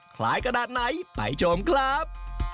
คล้ายขนาดไหนไปชมครับ